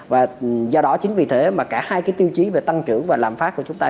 và do đó chính vì thế mà cả hai cái tiêu chí về tăng trưởng và lạm phát của chúng ta